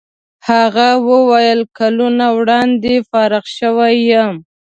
هغه وویل کلونه وړاندې فارغ شوی یم.